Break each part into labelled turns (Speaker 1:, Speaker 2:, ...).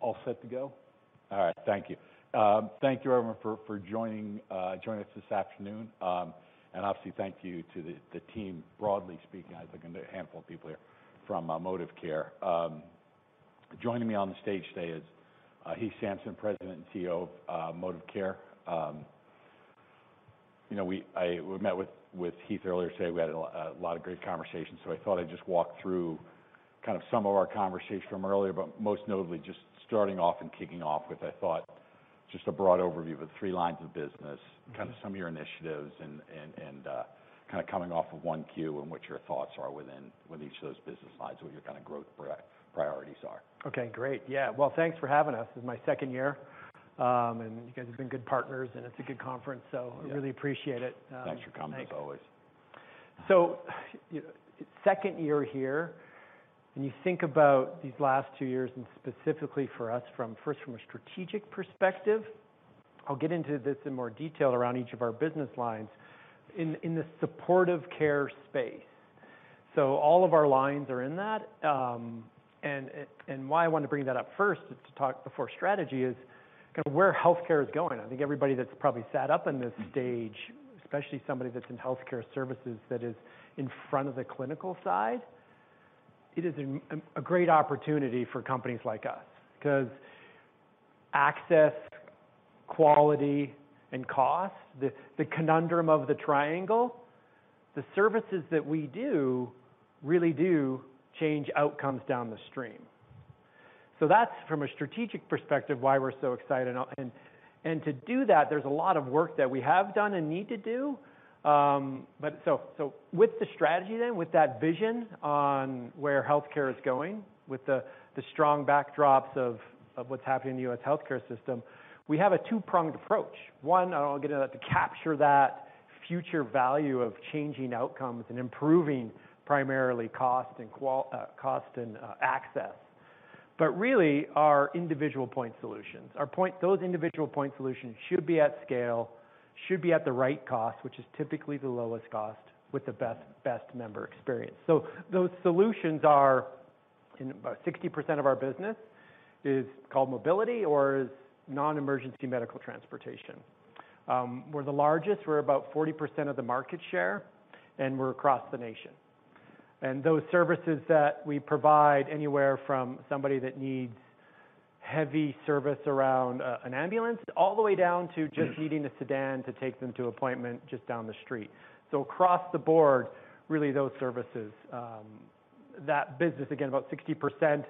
Speaker 1: All set to go? All right, thank you. Thank you everyone for joining us this afternoon. Obviously thank you to the team broadly speaking. I see a handful of people here from ModivCare. Joining me on the stage today is Heath Sampson, President and CEO of ModivCare. You know, we met with Heath earlier today. We had a lot of great conversations, so I thought I'd just walk through kind of some of our conversations from earlier. Most notably just starting off and kicking off with, I thought, just a broad overview of the three lines of business.
Speaker 2: Mm-hmm.
Speaker 1: Kind of some of your initiatives and, kind of coming off of Q1 and what your thoughts are within each of those business lines, what your kinda growth priorities are?
Speaker 2: Okay, great. Yeah. Well, thanks for having us. This is my second year, and you guys have been good partners, and it's a good conference.
Speaker 1: Yeah.
Speaker 2: I really appreciate it.
Speaker 1: Thanks for coming as always.
Speaker 2: Thanks. Second year here, when you think about these last two years and specifically for us first from a strategic perspective, I'll get into this in more detail around each of our business lines. In the supportive care space, all of our lines are in that. Why I want to bring that up first to talk before strategy is kind of where healthcare is going. I think everybody that's probably sat up on this stage.
Speaker 1: Mm-hmm.
Speaker 2: especially somebody that's in healthcare services that is in front of the clinical side, it is a great opportunity for companies like us because access, quality and cost, the conundrum of the triangle, the services that we do really do change outcomes down the stream. That's from a strategic perspective why we're so excited. To do that, there's a lot of work that we have done and need to do. With the strategy then, with that vision on where healthcare is going, with the strong backdrops of what's happening in the U.S. healthcare system, we have a two-pronged approach. One, I'll get into that, to capture that future value of changing outcomes and improving primarily cost and access. Really our individual point solutions. Those individual point solutions should be at scale, should be at the right cost, which is typically the lowest cost, with the best member experience. Those solutions are in about 60% of our business is called mobility or is non-emergency medical transportation. We're the largest. We're about 40% of the market share, and we're across the nation. Those services that we provide anywhere from somebody that needs heavy service around an ambulance, all the way down to just needing a sedan to take them to appointment just down the street. Across the board, really those services, that business again, about 60%,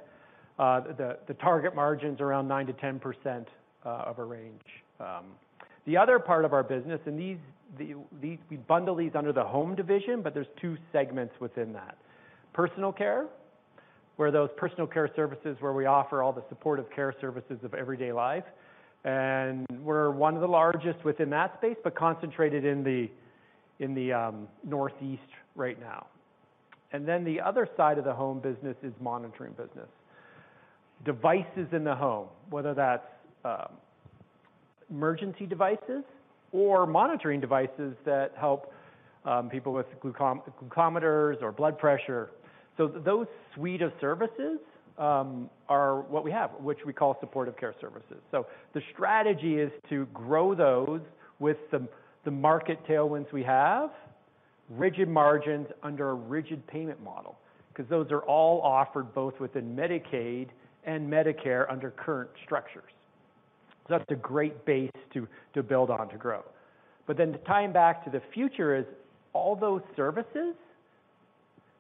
Speaker 2: the target margin's around 9%-10% of a range. The other part of our business and these, the we bundle these under the home division, but there's two segments within that. Personal care, where those personal care services where we offer all the supportive care services of everyday life, and we're one of the largest within that space, but concentrated in the, in the Northeast right now. The other side of the home business is monitoring business. Devices in the home, whether that's emergency devices or monitoring devices that help people with glucometers or blood pressure. Those suite of services are what we have, which we call supportive care services. The strategy is to grow those with the market tailwinds we have, rigid margins under a rigid payment model, 'cause those are all offered both within Medicaid and Medicare under current structures. That's a great base to build on to grow. Tying back to the future is all those services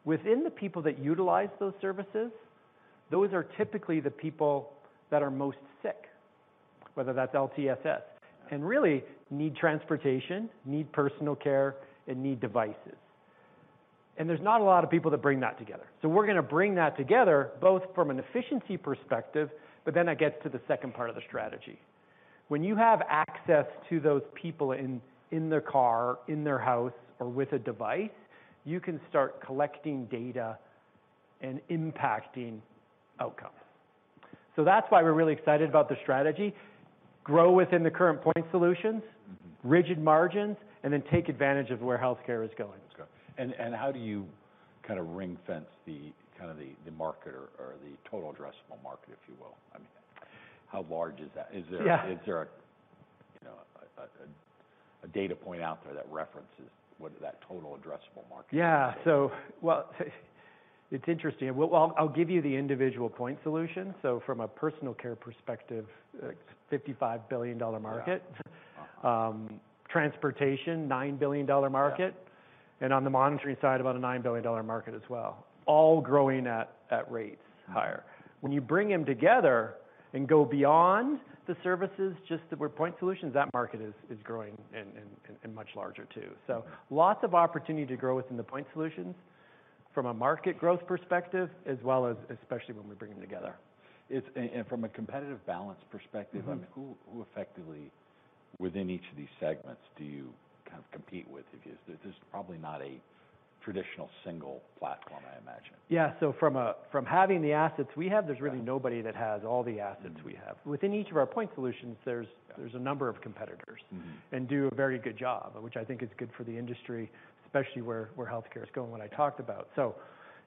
Speaker 2: within the people that utilize those services, those are typically the people that are most sick, whether that's LTSS, and really need transportation, need personal care, and need devices. There's not a lot of people that bring that together. We're gonna bring that together both from an efficiency perspective, it gets to the second part of the strategy. When you have access to those people in their car, in their house or with a device, you can start collecting data and impacting outcomes. That's why we're really excited about the strategy, grow within the current point solutions.
Speaker 1: Mm-hmm.
Speaker 2: rigid margins, take advantage of where healthcare is going.
Speaker 1: That's good. How do you kinda ring-fence the kinda the market or the total addressable market, if you will? I mean, how large is that?
Speaker 2: Yeah.
Speaker 1: Is there a, you know, a data point out there that references what is that total addressable market?
Speaker 2: Yeah. Well, it's interesting. We'll I'll give you the individual point solution. From a personal care perspective, it's a $55 billion market.
Speaker 1: Yeah. Wow.
Speaker 2: Transportation, $9 billion market.
Speaker 1: Yeah.
Speaker 2: On the monitoring side, about a $9 billion market as well, all growing at rates higher.
Speaker 1: Wow.
Speaker 2: When you bring them together and go beyond the services just that were point solutions, that market is growing and much larger too.
Speaker 1: Mm-hmm.
Speaker 2: Lots of opportunity to grow within the point solutions from a market growth perspective, as well as especially when we bring them together.
Speaker 1: From a competitive balance perspective.
Speaker 2: Mm-hmm.
Speaker 1: I mean, who effectively within each of these segments do you kind of compete with? There's probably not a traditional single platform, I imagine.
Speaker 2: Yeah. From having the assets we have, there's really nobody that has all the assets we have.
Speaker 1: Mm-hmm.
Speaker 2: Within each of our point solutions.
Speaker 1: Yeah.
Speaker 2: There's a number of competitors.
Speaker 1: Mm-hmm.
Speaker 2: Do a very good job, which I think is good for the industry, especially where healthcare is going, what I talked about.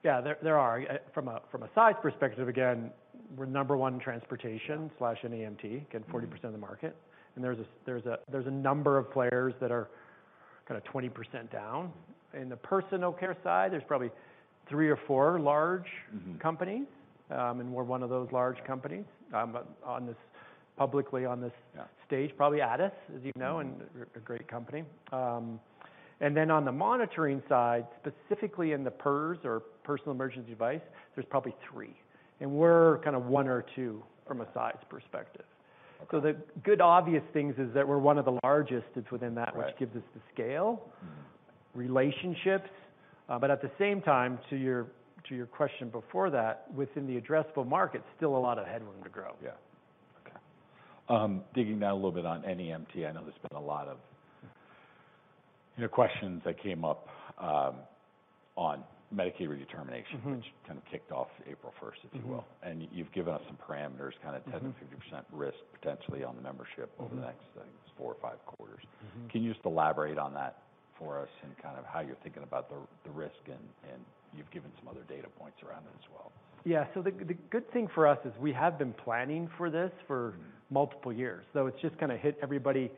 Speaker 2: Yeah, there are. From a size perspective, again, we're number one in transportation/NEMT, again, 40% of the market. There's a number of players that are kinda 20% down. In the personal care side, there's probably three or four large-
Speaker 1: Mm-hmm...
Speaker 2: companies. We're one of those large companies. publicly on this-
Speaker 1: Yeah...
Speaker 2: stage, probably Addus, as you know, and a great company. And then on the monitoring side, specifically in the PERS or personal emergency device, there's probably three, and we're kinda one or two from a size perspective.
Speaker 1: Okay.
Speaker 2: The good obvious things is that we're one of the largest that's within that...
Speaker 1: Right...
Speaker 2: which gives us the scale.
Speaker 1: Mm-hmm.
Speaker 2: Relationships, but at the same time, to your, to your question before that, within the addressable market, still a lot of headroom to grow.
Speaker 1: Yeah. Okay. Digging down a little bit on NEMT, I know there's been a lot of, you know, questions that came up on Medicaid redetermination.
Speaker 2: Mm-hmm...
Speaker 1: which kind of kicked off April first, if you will.
Speaker 2: Mm-hmm.
Speaker 1: You've given us some parameters.
Speaker 2: Mm-hmm...
Speaker 1: 10%-50% risk potentially on the membership-
Speaker 2: Mm-hmm
Speaker 1: over the next, I think, it's four or five quarters.
Speaker 2: Mm-hmm.
Speaker 1: Can you just elaborate on that for us and kind of how you're thinking about the risk and you've given some other data points around it as well?
Speaker 2: Yeah. The good thing for us is we have been planning for this for multiple years. It's just kinda hit everybody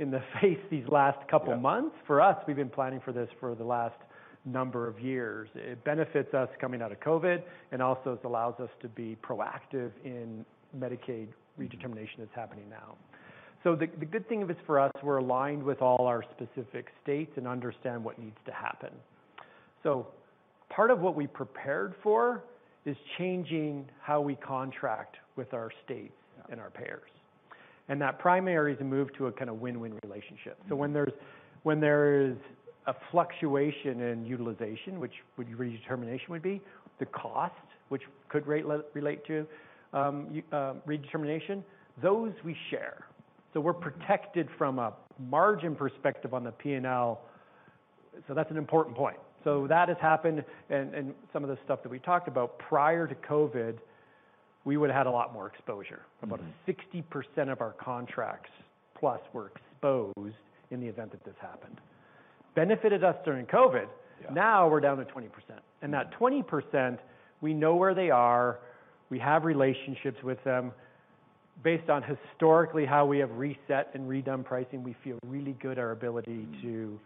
Speaker 2: in the face these last couple months.
Speaker 1: Yeah.
Speaker 2: For us, we've been planning for this for the last number of years. It benefits us coming out of COVID, and also it allows us to be proactive in Medicaid redetermination.
Speaker 1: Mm-hmm...
Speaker 2: that's happening now. The good thing of this for us, we're aligned with all our specific states and understand what needs to happen. Part of what we prepared for is changing how we contract with our states.
Speaker 1: Yeah...
Speaker 2: and our payers. That primary is a move to a kind of win-win relationship.
Speaker 1: Mm-hmm.
Speaker 2: When there is a fluctuation in utilization, which would redetermination would be, the cost, which could relate to redetermination, those we share. We're protected from a margin perspective on the P&L. That's an important point. That has happened and some of the stuff that we talked about prior to COVID, we would've had a lot more exposure.
Speaker 1: Mm-hmm.
Speaker 2: About 60% of our contracts plus were exposed in the event that this happened. Benefited us during COVID.
Speaker 1: Yeah.
Speaker 2: Now we're down to 20%. That 20%, we know where they are, we have relationships with them. Based on historically how we have reset and redone pricing, we feel really good our ability to.
Speaker 1: Mm-hmm...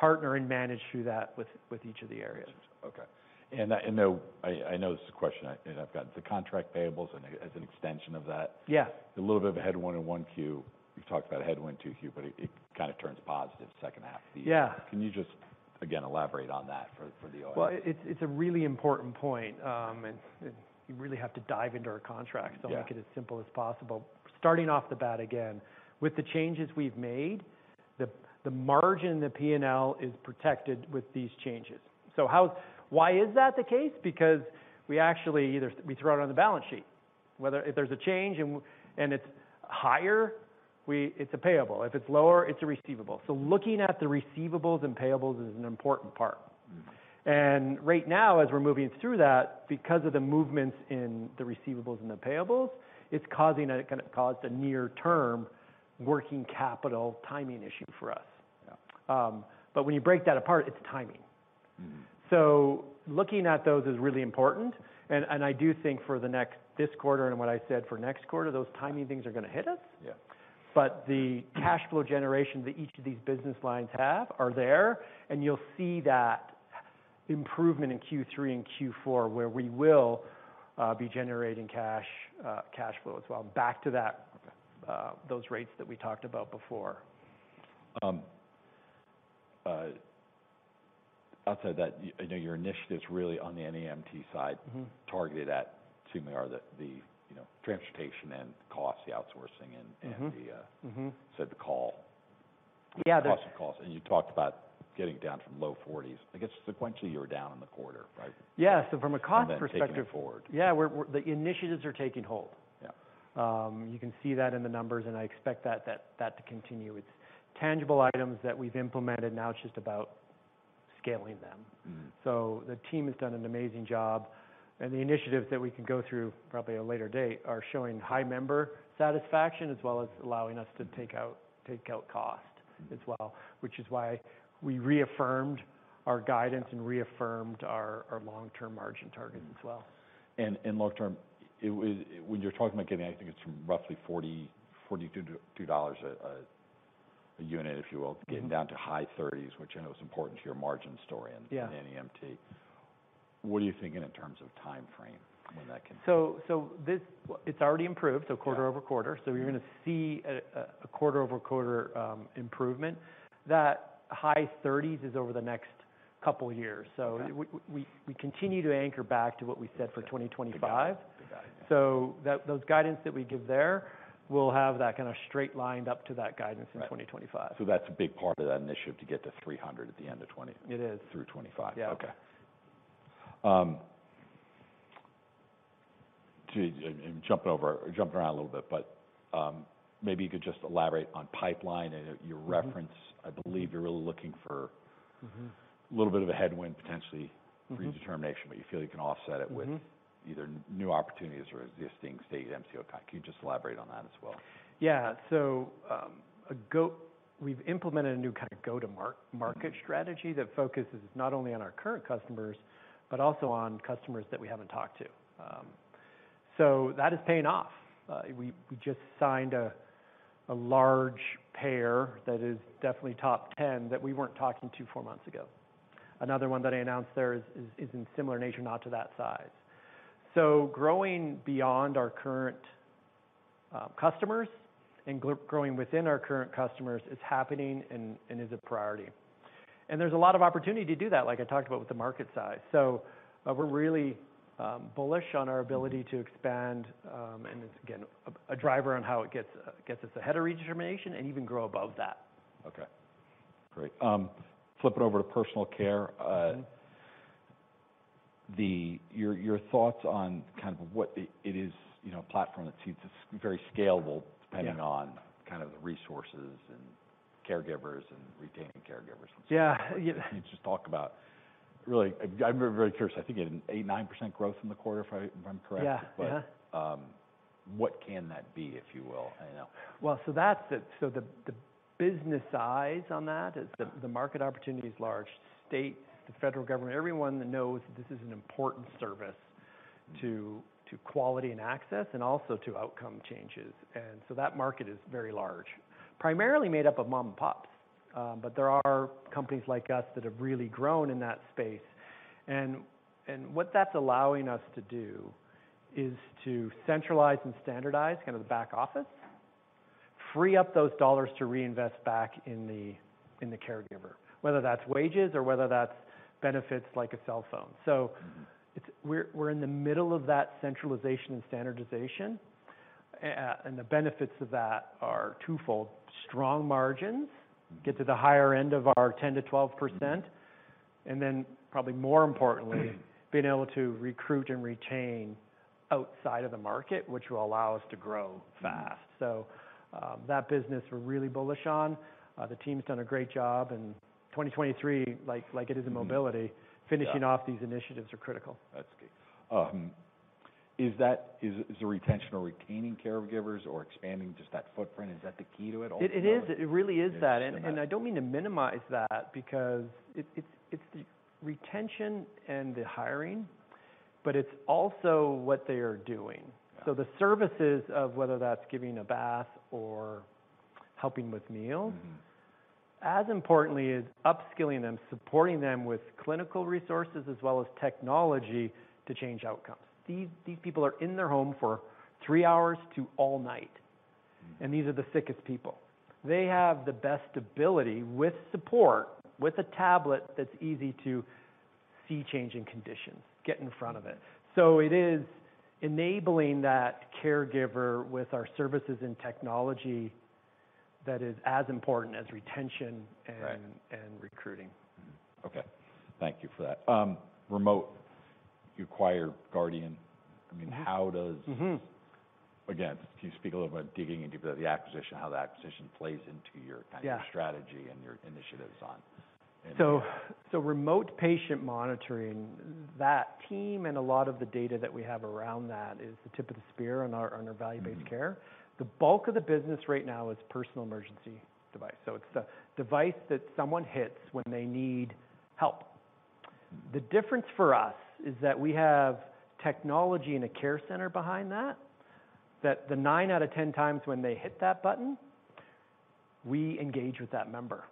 Speaker 2: partner and manage through that with each of the areas.
Speaker 1: Okay. You know, I know this is a question I, and I've gotten to contract payables as an extension of that.
Speaker 2: Yeah.
Speaker 1: A little bit of a headwind in Q1. We've talked about a headwind Q2, but it kinda turns positive second half of the year.
Speaker 2: Yeah.
Speaker 1: Can you just, again, elaborate on that for the audience?
Speaker 2: Well, it's a really important point, and you really have to dive into our contracts.
Speaker 1: Yeah...
Speaker 2: to make it as simple as possible. Starting off the bat again, with the changes we've made, the margin, the P&L is protected with these changes. Why is that the case? Because we actually we throw it on the balance sheet. If there's a change and it's higher, we it's a payable. If it's lower, it's a receivable. Looking at the receivables and payables is an important part.
Speaker 1: Mm-hmm.
Speaker 2: Right now, as we're moving through that, because of the movements in the receivables and the payables, it's causing gonna cause the near term working capital timing issue for us.
Speaker 1: Yeah.
Speaker 2: When you break that apart, it's timing.
Speaker 1: Mm-hmm.
Speaker 2: Looking at those is really important. I do think for this quarter and what I said for next quarter, those timing things are gonna hit us.
Speaker 1: Yeah.
Speaker 2: The cash flow generation that each of these business lines have are there, and you'll see that improvement in Q3 and Q4, where we will be generating cash flow as well.
Speaker 1: Okay...
Speaker 2: those rates that we talked about before.
Speaker 1: Outside that, you know, your initiatives really on the NEMT side.
Speaker 2: Mm-hmm...
Speaker 1: targeted at, assuming are the, you know, transportation and cost, the outsourcing and the.
Speaker 2: Mm-hmm, mm-hmm
Speaker 1: the call.
Speaker 2: Yeah.
Speaker 1: Cost of calls. You talked about getting down from low forties. I guess sequentially you were down in the quarter, right?
Speaker 2: Yeah. from a cost perspective...
Speaker 1: Taking it forward.
Speaker 2: Yeah. The initiatives are taking hold.
Speaker 1: Yeah.
Speaker 2: You can see that in the numbers, and I expect that to continue. It's tangible items that we've implemented. Now it's just about scaling them.
Speaker 1: Mm-hmm.
Speaker 2: The team has done an amazing job, and the initiatives that we can go through, probably at a later date, are showing high member satisfaction as well as allowing us to take out cost as well. Which is why we reaffirmed our guidance and reaffirmed our long-term margin targets as well.
Speaker 1: Mm-hmm. Long term, when you're talking about getting, I think it's from roughly $40-$42 a unit, if you will.
Speaker 2: Mm-hmm...
Speaker 1: getting down to high 30s, which I know is important to your margin story.
Speaker 2: Yeah
Speaker 1: in NEMT. What are you thinking in terms of timeframe when that can happen?
Speaker 2: It's already improved, so quarter-over-quarter.
Speaker 1: Yeah.
Speaker 2: You're gonna see a quarter-over-quarter improvement. That high thirties is over the next couple years.
Speaker 1: Okay.
Speaker 2: we continue to anchor back to what we said for 2025.
Speaker 1: Good guide. Good guide, yeah.
Speaker 2: those guidance that we give there will have that kinda straight lined up to that guidance in 2025.
Speaker 1: Right. That's a big part of that initiative to get to 300 at the end of 2020-
Speaker 2: It is....
Speaker 1: through 2025.
Speaker 2: Yeah.
Speaker 1: Okay. jumping around a little bit, but, maybe you could just elaborate on pipeline and your reference.
Speaker 2: Mm-hmm.
Speaker 1: I believe you're really looking for-
Speaker 2: Mm-hmm...
Speaker 1: a little bit of a headwind potentially.
Speaker 2: Mm-hmm...
Speaker 1: pre-determination, but you feel you can offset it.
Speaker 2: Mm-hmm
Speaker 1: either new opportunities or existing state MCO. Can you just elaborate on that as well?
Speaker 2: We've implemented a new kind of go-to-market strategy that focuses not only on our current customers, but also on customers that we haven't talked to. That is paying off. We just signed a large payer that is definitely top 10 that we weren't talking to four months ago. Another one that I announced there is in similar nature, not to that size. Growing beyond our current customers and growing within our current customers is happening and is a priority. There's a lot of opportunity to do that, like I talked about with the market size. We're really bullish on our ability to expand, and it's again, a driver on how it gets us ahead of redetermination and even grow above that.
Speaker 1: Okay, great. Flip it over to personal care.
Speaker 2: Mm-hmm.
Speaker 1: your thoughts on kind of what it is, you know, a platform that seems very scalable.
Speaker 2: Yeah.
Speaker 1: -depending on kind of the resources and caregivers and retaining caregivers and so on.
Speaker 2: Yeah.
Speaker 1: You just talk about, really, I'm very curious. I think you had an eight, 9% growth in the quarter if I, if I'm correct.
Speaker 2: Yeah. Yeah.
Speaker 1: What can that be, if you will? You know.
Speaker 2: That's it. The business eyes on that is the market opportunity is large. State, the federal government, everyone that knows that this is an important service to quality and access and also to outcome changes. That market is very large. Primarily made up of mom and pops, but there are companies like us that have really grown in that space. What that's allowing us to do is to centralize and standardize kind of the back office, free up those dollars to reinvest back in the caregiver, whether that's wages or whether that's benefits like a cell phone.
Speaker 1: Mm-hmm.
Speaker 2: It's we're in the middle of that centralization and standardization. The benefits of that are twofold. Strong margins.
Speaker 1: Mm-hmm.
Speaker 2: Get to the higher end of our 10%-12%.
Speaker 1: Mm-hmm.
Speaker 2: Probably more importantly, being able to recruit and retain outside of the market, which will allow us to grow fast.
Speaker 1: Mm-hmm.
Speaker 2: That business we're really bullish on. The team's done a great job in 2023, like it is in mobility.
Speaker 1: Mm-hmm. Yeah.
Speaker 2: Finishing off these initiatives are critical.
Speaker 1: That's key. Is the retention or retaining caregivers or expanding just that footprint, is that the key to it ultimately?
Speaker 2: It is. It really is that.
Speaker 1: Yeah. Got it.
Speaker 2: I don't mean to minimize that because it's the retention and the hiring, but it's also what they are doing.
Speaker 1: Yeah.
Speaker 2: The services of whether that's giving a bath or helping with meals.
Speaker 1: Mm-hmm.
Speaker 2: As importantly is upskilling them, supporting them with clinical resources as well as technology to change outcomes. These people are in their home for three hours to all night.
Speaker 1: Mm-hmm.
Speaker 2: These are the sickest people. They have the best ability with support, with a tablet that's easy to see change in conditions, get in front of it. It is enabling that caregiver with our services and technology that is as important as retention and-.
Speaker 1: Right.
Speaker 2: recruiting.
Speaker 1: Okay. Thank you for that. Remote, you acquired Guardian.
Speaker 2: Mm-hmm.
Speaker 1: I mean, how.
Speaker 2: Mm-hmm.
Speaker 1: Can you speak a little about digging into the acquisition, how the acquisition plays into your-?
Speaker 2: Yeah.
Speaker 1: kind of your strategy and your initiatives on it?
Speaker 2: Remote patient monitoring, that team and a lot of the data that we have around that is the tip of the spear on our value-based care.
Speaker 1: Mm-hmm.
Speaker 2: The bulk of the business right now is personal emergency device. It's the device that someone hits when they need help.
Speaker 1: Mm-hmm.
Speaker 2: The difference for us is that we have technology and a care center behind that. The nine out of 10x when they hit that button, we engage with that member.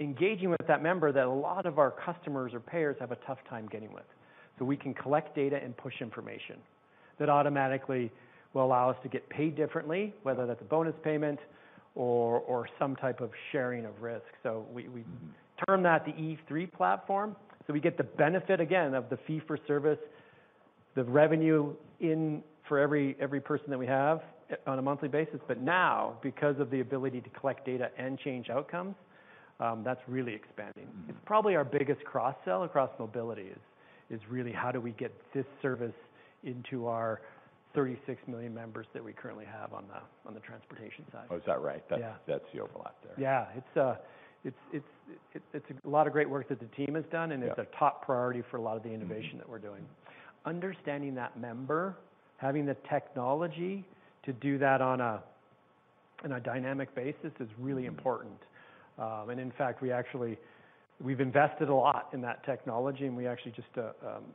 Speaker 2: Engaging with that member that a lot of our customers or payers have a tough time getting with. We can collect data and push information that automatically will allow us to get paid differently, whether that's a bonus payment or some type of sharing of risk. We term that the E3 platform. We get the benefit, again, of the fee for service, the revenue in for every person that we have on a monthly basis. Now, because of the ability to collect data and change outcomes, that's really expanding.
Speaker 1: Mm-hmm.
Speaker 2: It's probably our biggest cross sell across mobility is really how do we get this service into our 36 million members that we currently have on the, on the transportation side.
Speaker 1: Oh, is that right?
Speaker 2: Yeah.
Speaker 1: That's the overlap there.
Speaker 2: Yeah. It's a lot of great work that the team has done.
Speaker 1: Yeah.
Speaker 2: It's a top priority for a lot of the innovation that we're doing.
Speaker 1: Mm-hmm.
Speaker 2: Understanding that member, having the technology to do that on a dynamic basis is really important.
Speaker 1: Mm-hmm.
Speaker 2: In fact, we've invested a lot in that technology, and we actually just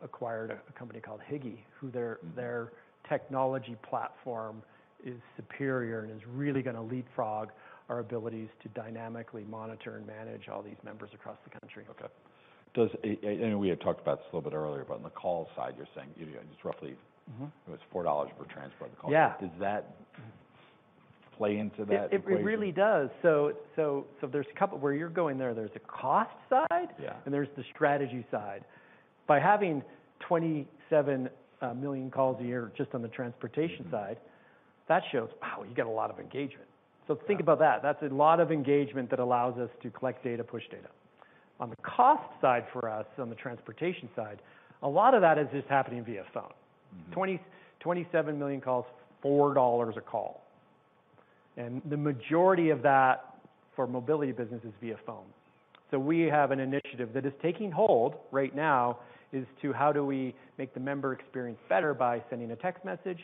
Speaker 2: acquired a company called Higi, who their.
Speaker 1: Mm-hmm.
Speaker 2: their technology platform is superior and is really gonna leapfrog our abilities to dynamically monitor and manage all these members across the country.
Speaker 1: Okay. We had talked about this a little bit earlier, but on the call side, you're saying, you know, just roughly.
Speaker 2: Mm-hmm.
Speaker 1: it was $4 per transport call.
Speaker 2: Yeah.
Speaker 1: Does that play into that equation?
Speaker 2: It really does. There's a couple. Where you're going, there's a cost side-
Speaker 1: Yeah.
Speaker 2: and there's the strategy side. By having 27 million calls a year just on the transportation side-
Speaker 1: Mm-hmm.
Speaker 2: that shows, wow, you get a lot of engagement.
Speaker 1: Yeah.
Speaker 2: Think about that. That's a lot of engagement that allows us to collect data, push data. On the cost side for us, on the transportation side, a lot of that is just happening via phone.
Speaker 1: Mm-hmm.
Speaker 2: 27 million calls, $4 a call. The majority of that for mobility business is via phone. We have an initiative that is taking hold right now, is to how do we make the member experience better by sending a text message,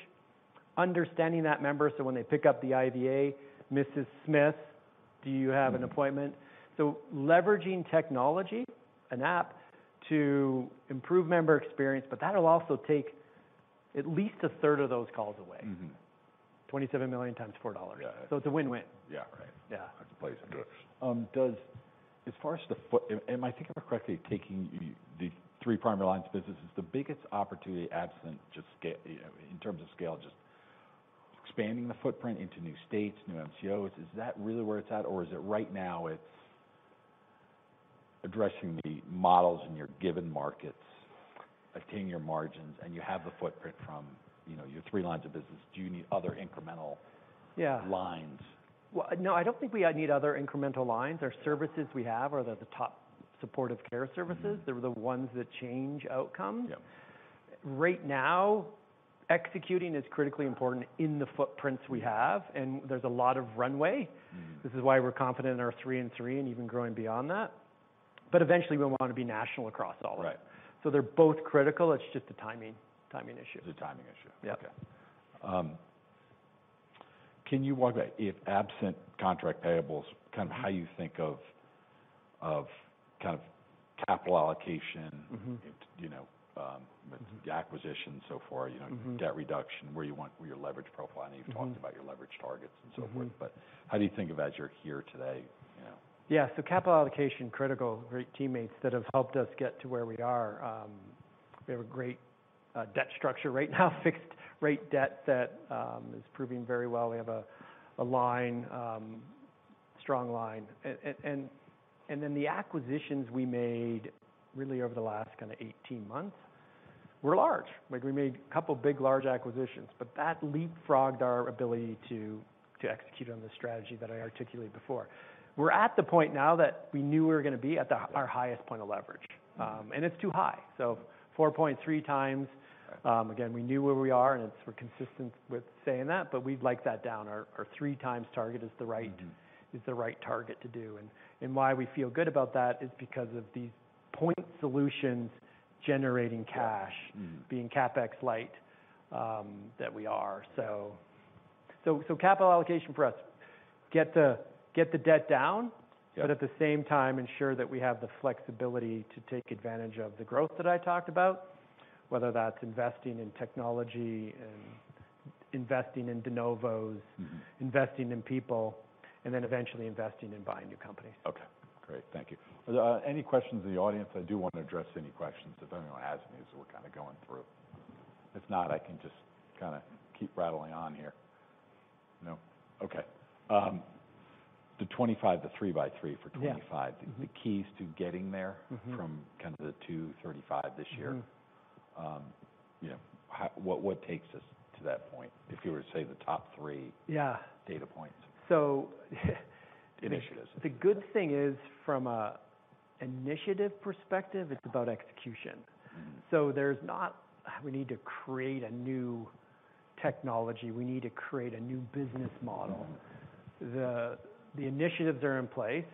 Speaker 2: understanding that member so when they pick up the IVA, "Mrs. Smith, do you have an appointment?" Leveraging technology, an app, to improve member experience, but that'll also take at least a third of those calls away.
Speaker 1: Mm-hmm.
Speaker 2: $27 million x $4.
Speaker 1: Yeah.
Speaker 2: It's a win-win.
Speaker 1: Yeah. Right.
Speaker 2: Yeah.
Speaker 1: That's a place to do it. As far as the footprint, am I thinking about correctly, taking the three primary lines of business, is the biggest opportunity absent just in terms of scale, just expanding the footprint into new states, new MCOs? Is that really where it's at, or is it right now it's addressing the models in your given markets, obtaining your margins, and you have the footprint from, you know, your three lines of business, do you need other incremental-
Speaker 2: Yeah...
Speaker 1: lines?
Speaker 2: Well, no, I don't think we need other incremental lines.
Speaker 1: Yeah.
Speaker 2: Our services we have are the top supportive care services.
Speaker 1: Mm-hmm.
Speaker 2: They're the ones that change outcomes.
Speaker 1: Yeah.
Speaker 2: Right now, executing is critically important in the footprints we have.
Speaker 1: Mm-hmm.
Speaker 2: There's a lot of runway.
Speaker 1: Mm-hmm.
Speaker 2: This is why we're confident in our three and three, and even growing beyond that. Eventually, we wanna be national across all of it.
Speaker 1: Right.
Speaker 2: They're both critical, it's just a timing issue.
Speaker 1: It's a timing issue.
Speaker 2: Yeah.
Speaker 1: Okay. can you walk back, if absent contract payables, kind of how you think of kind of capital allocation?
Speaker 2: Mm-hmm...
Speaker 1: you know, the acquisition so far,
Speaker 2: Mm-hmm...
Speaker 1: debt reduction, where you want, where your leverage profile. I know you've talked about your leverage targets and so forth.
Speaker 2: Mm-hmm.
Speaker 1: How do you think of as you're here today, you know?
Speaker 2: Capital allocation critical. Great teammates that have helped us get to where we are. We have a great debt structure right now. Fixed rate debt that is proving very well. We have a line, strong line. The acquisitions we made really over the last kinda 18 months were large. Like, we made a couple big, large acquisitions, but that leapfrogged our ability to execute on the strategy that I articulated before. We're at the point now that we knew we were gonna be at our highest point of leverage. It's too high. 4.3x.
Speaker 1: Right.
Speaker 2: Again, we knew where we are, and it's, we're consistent with saying that, but we'd like that down. Our, our 3x target is the right-
Speaker 1: Mm-hmm...
Speaker 2: is the right target to do. And why we feel good about that is because of these point solutions generating cash-
Speaker 1: Yeah.
Speaker 2: being CapEx light, that we are. Capital allocation for us, get the debt down.
Speaker 1: Yeah.
Speaker 2: At the same time, ensure that we have the flexibility to take advantage of the growth that I talked about, whether that's investing in technology and investing in de novos.
Speaker 1: Mm-hmm...
Speaker 2: investing in people, and then eventually investing in buying new companies.
Speaker 1: Okay. Great. Thank you. Are there any questions in the audience? I do want to address any questions, if anyone has any, as we're kinda going through. If not, I can just kinda keep rattling on here. No? Okay. The 25, the three by three for 25.
Speaker 2: Yeah. Mm-hmm.
Speaker 1: The keys to getting there.
Speaker 2: Mm-hmm...
Speaker 1: from kind of the $235 this year.
Speaker 2: Mm-hmm.
Speaker 1: you know, how, what takes us to that point? If you were to say the top three-?
Speaker 2: Yeah...
Speaker 1: data points.
Speaker 2: So -
Speaker 1: Initiatives...
Speaker 2: the good thing is, from an initiative perspective, it's about execution.
Speaker 1: Mm-hmm.
Speaker 2: There's not, "We need to create a new technology. We need to create a new business model.
Speaker 1: Mm-hmm.
Speaker 2: The initiatives are in place,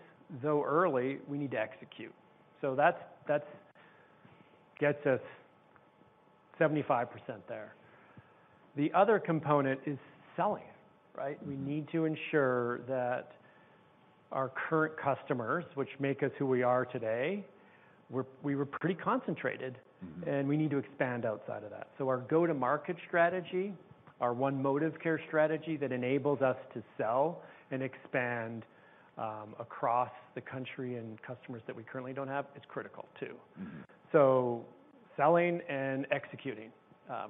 Speaker 2: though early, we need to execute. That's gets us 75% there. The other component is selling, right?
Speaker 1: Mm-hmm.
Speaker 2: We need to ensure that our current customers, which make us who we are today, we were pretty concentrated.
Speaker 1: Mm-hmm.
Speaker 2: We need to expand outside of that. Our go-to market strategy, our One ModivCare strategy that enables us to sell and expand across the country and customers that we currently don't have, it's critical too.
Speaker 1: Mm-hmm.
Speaker 2: Selling and executing,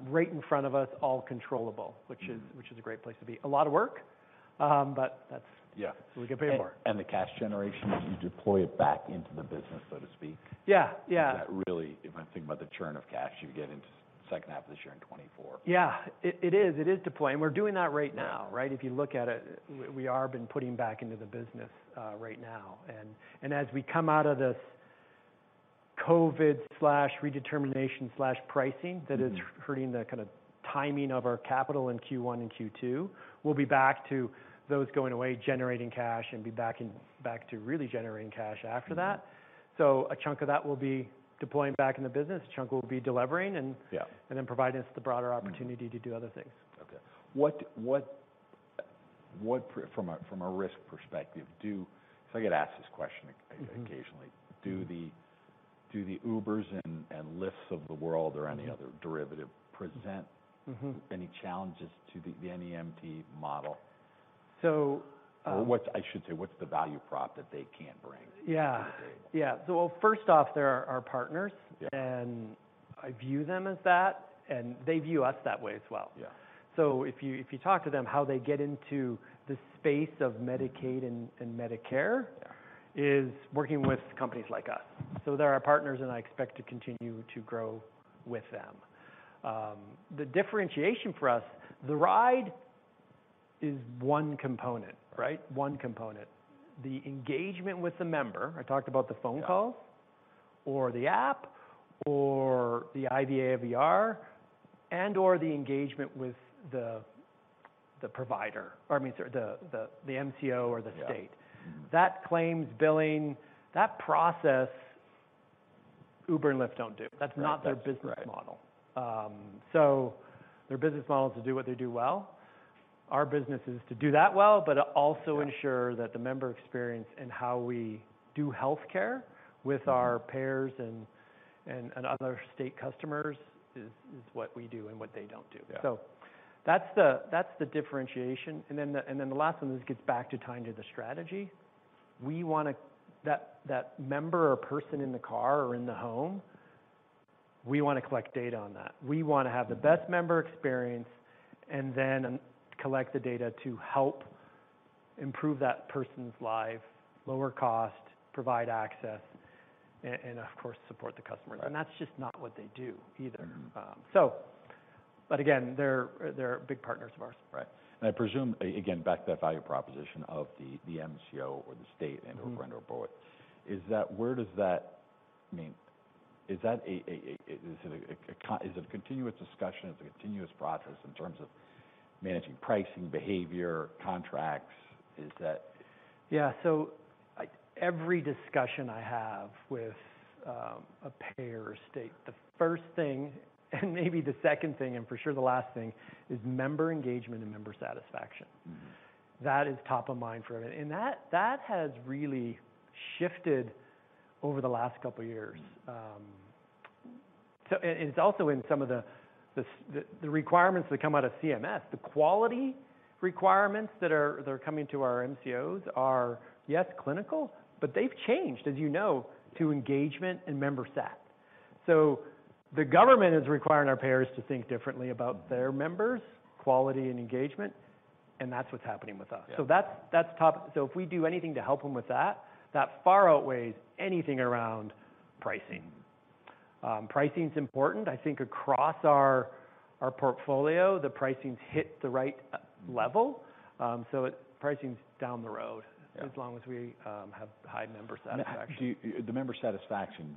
Speaker 2: right in front of us, all controllable.
Speaker 1: Mm-hmm...
Speaker 2: which is a great place to be. A lot of work.
Speaker 1: Yeah...
Speaker 2: what we get paid for.
Speaker 1: The cash generation, you deploy it back into the business, so to speak.
Speaker 2: Yeah. Yeah.
Speaker 1: Is that really, if I think about the churn of cash, you get into second half of this year and 2024.
Speaker 2: Yeah. It is. It is deploy, and we're doing that right now, right? If you look at it, we are been putting back into the business right now. As we come out of this COVID/Redetermination/pricing-
Speaker 1: Mm-hmm
Speaker 2: that is hurting the kinda timing of our capital in Q1 and Q2, we'll be back to those going away, generating cash, and be back to really generating cash after that.
Speaker 1: Mm-hmm.
Speaker 2: A chunk of that will be deploying back in the business, a chunk will be delivering and.
Speaker 1: Yeah...
Speaker 2: and then providing us the broader opportunity to do other things.
Speaker 1: Okay. What from a risk perspective, do... I get asked this question occasionally.
Speaker 2: Mm-hmm.
Speaker 1: Do the Ubers and Lyfts of the world or any other derivative present-
Speaker 2: Mm-hmm...
Speaker 1: any challenges to the NEMT model?
Speaker 2: So, um-
Speaker 1: What, I should say, what's the value prop that they can bring?
Speaker 2: Yeah.
Speaker 1: To the table.
Speaker 2: Yeah. first off, they're our partners.
Speaker 1: Yeah.
Speaker 2: I view them as that, and they view us that way as well.
Speaker 1: Yeah.
Speaker 2: if you talk to them, how they get into the space of Medicaid and Medicare.
Speaker 1: Yeah...
Speaker 2: is working with companies like us. They're our partners, and I expect to continue to grow with them. The differentiation for us, the ride is one component, right? One component. The engagement with the member, I talked about the phone call.
Speaker 1: Yeah...
Speaker 2: or the app or the IVA, IVR, and/or the engagement with the provider, or I mean, sorry, the MCO or the state.
Speaker 1: Yeah. Mm-hmm.
Speaker 2: That claims billing, that process-Uber and Lyft don't do.
Speaker 1: Right. That's right.
Speaker 2: That's not their business model. Their business model is to do what they do well. Our business is to do that well.
Speaker 1: Yeah...
Speaker 2: ensure that the member experience and how we do healthcare with our payers and other state customers is what we do and what they don't do.
Speaker 1: Yeah.
Speaker 2: That's the differentiation. Then the last one, this gets back to tying to the strategy. We wanna that member or person in the car or in the home, we wanna collect data on that.
Speaker 1: Mm-hmm.
Speaker 2: We wanna have the best member experience and then collect the data to help improve that person's life, lower cost, provide access, and of course, support the customers.
Speaker 1: Right.
Speaker 2: that's just not what they do either.
Speaker 1: Mm-hmm.
Speaker 2: Again, they're big partners of ours.
Speaker 1: Right. I presume, again, back to that value proposition of the MCO or the state and/or Medicaid, where does that... I mean, is it a continuous discussion? Is it a continuous process in terms of managing pricing, behavior, contracts?
Speaker 2: Yeah. every discussion I have with a payer or state, the first thing, and maybe the second thing, and for sure the last thing, is member engagement and member satisfaction.
Speaker 1: Mm-hmm.
Speaker 2: That is top of mind for a minute. That, that has really shifted over the last couple years. And it's also in some of the requirements that come out of CMS. The quality requirements that are coming to our MCOs are, yes, clinical, but they've changed, as you know, to engagement and member sat. The government is requiring our payers to think differently about their members' quality and engagement, and that's what's happening with us.
Speaker 1: Yeah.
Speaker 2: That's, that's top. If we do anything to help them with that far outweighs anything around pricing. Pricing's important. I think across our portfolio, the pricing's hit the right level. pricing's down the road-
Speaker 1: Yeah...
Speaker 2: as long as we have high member satisfaction.
Speaker 1: The member satisfaction,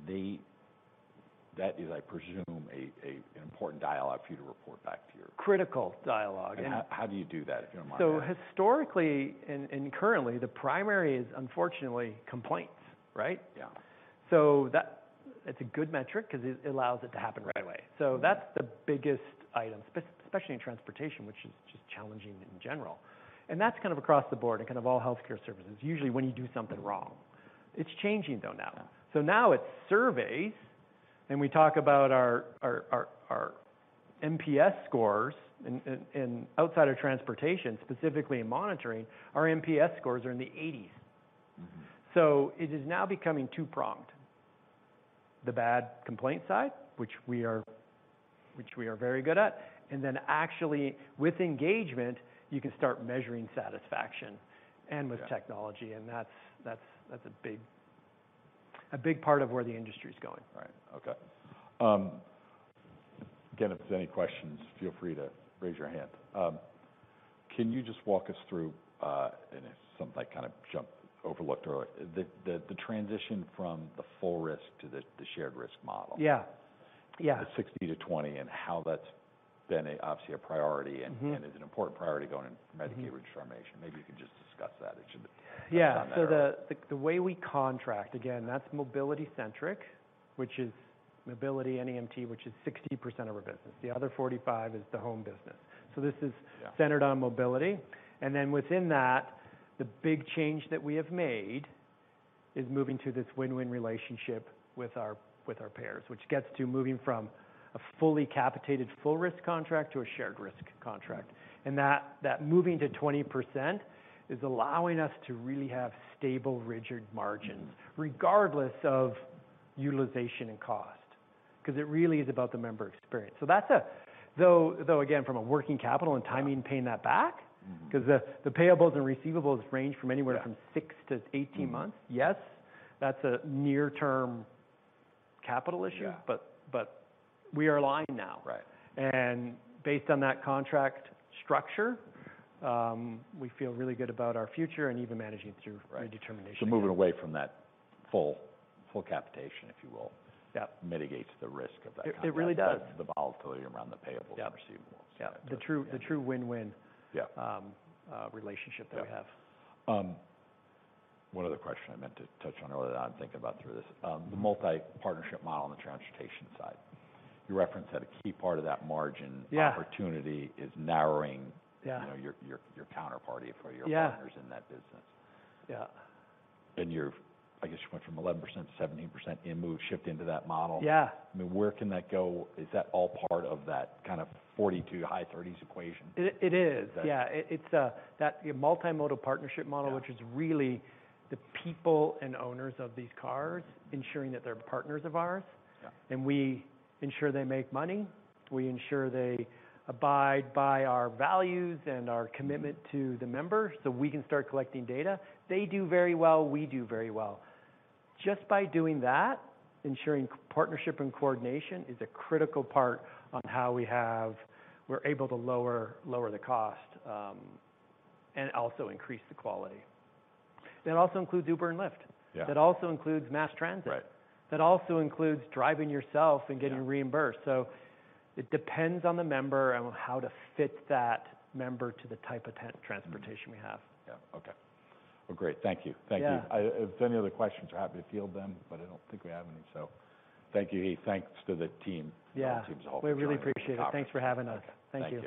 Speaker 1: that is, I presume, an important dialogue for you to report back to your.
Speaker 2: Critical dialogue.
Speaker 1: How do you do that, if you don't mind me asking?
Speaker 2: Historically, and currently, the primary is unfortunately complaints, right?
Speaker 1: Yeah.
Speaker 2: It's a good metric 'cause it allows it to happen right away.
Speaker 1: Right.
Speaker 2: That's the biggest item, especially in transportation, which is just challenging in general. That's kind of across the board in kind of all healthcare services, usually when you do something wrong. It's changing though now.
Speaker 1: Yeah.
Speaker 2: now it's surveys, and we talk about our NPS scores in outside of transportation, specifically in monitoring, our NPS scores are in the eighties.
Speaker 1: Mm-hmm.
Speaker 2: It is now becoming two-pronged. The bad complaint side, which we are very good at, and then actually with engagement, you can start measuring satisfaction.
Speaker 1: Yeah...
Speaker 2: and with technology, and that's a big part of where the industry's going.
Speaker 1: Right. Okay. Again, if there's any questions, feel free to raise your hand. Can you just walk us through, and if something I kind of overlooked or... The transition from the full risk to the shared risk model...
Speaker 2: Yeah. Yeah....
Speaker 1: the 60 to 20, and how that's been a, obviously, a priority-
Speaker 2: Mm-hmm...
Speaker 1: and is an important priority going into-
Speaker 2: Mm-hmm...
Speaker 1: Medicaid redetermination. Maybe you can just discuss that. It should be-
Speaker 2: Yeah... The way we contract, again, that's mobility centric, which is mobility NEMT, which is 60% of our business. The other 45 is the home business.
Speaker 1: Yeah...
Speaker 2: centered on mobility. Within that, the big change that we have made is moving to this win-win relationship with our payers, which gets to moving from a fully capitated full risk contract to a shared risk contract. That moving to 20% is allowing us to really have stable, rigid margins.
Speaker 1: Mm-hmm...
Speaker 2: regardless of utilization and cost, 'cause it really is about the member experience. That's. Though, again, from a working capital and timing.
Speaker 1: Yeah...
Speaker 2: paying that back-
Speaker 1: Mm-hmm...
Speaker 2: 'cause the payables and receivables range from anywhere-
Speaker 1: Yeah...
Speaker 2: from 6 to 18 months.
Speaker 1: Mm.
Speaker 2: Yes, that's a near-term capital issue.
Speaker 1: Yeah.
Speaker 2: We are aligned now.
Speaker 1: Right.
Speaker 2: Based on that contract structure, we feel really good about our future and even managing.
Speaker 1: Right...
Speaker 2: redetermination.
Speaker 1: Moving away from that full capitation, if you will.
Speaker 2: Yeah...
Speaker 1: mitigates the risk of that contract-
Speaker 2: It really does....
Speaker 1: the volatility around the payables-
Speaker 2: Yeah...
Speaker 1: and receivables.
Speaker 2: Yeah. The true win-win.
Speaker 1: Yeah ...
Speaker 2: relationship that we have.
Speaker 1: Yeah. One other question I meant to touch on earlier that I'm thinking about through this. The multimodal partnership model on the transportation side. You referenced that a key part of that margin-
Speaker 2: Yeah...
Speaker 1: opportunity is narrowing.
Speaker 2: Yeah...
Speaker 1: you know, your counterparty for your partners.
Speaker 2: Yeah...
Speaker 1: in that business.
Speaker 2: Yeah.
Speaker 1: You're, I guess, you went from 11% to 17% in move shift into that model.
Speaker 2: Yeah.
Speaker 1: I mean, where can that go? Is that all part of that kind of 40 to high 30s equation?
Speaker 2: It is.
Speaker 1: Okay.
Speaker 2: Yeah. It's that multimodal partnership model.
Speaker 1: Yeah...
Speaker 2: which is really the people and owners of these cars ensuring that they're partners of ours.
Speaker 1: Yeah.
Speaker 2: We ensure they make money, we ensure they abide by our values and our commitment to the members, so we can start collecting data. They do very well, we do very well. Just by doing that, ensuring partnership and coordination is a critical part on how we're able to lower the cost, and also increase the quality. That also includes Uber and Lyft.
Speaker 1: Yeah.
Speaker 2: That also includes mass transit.
Speaker 1: Right.
Speaker 2: That also includes driving yourself and getting reimbursed.
Speaker 1: Yeah.
Speaker 2: It depends on the member and how to fit that member to the type of transportation we have.
Speaker 1: Yeah. Okay. Well, great. Thank you. Thank you.
Speaker 2: Yeah.
Speaker 1: If there any other questions, we're happy to field them, but I don't think we have any. Thank you. Thanks to the team.
Speaker 2: Yeah.
Speaker 1: The whole team's helping join.
Speaker 2: We really appreciate it.
Speaker 1: Okay.
Speaker 2: Thanks for having us.
Speaker 1: Okay.
Speaker 2: Thank you.